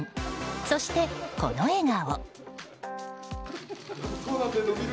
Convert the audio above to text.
そして、この笑顔。